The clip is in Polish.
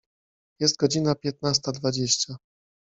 Jest godzina piętnasta dwadzieścia.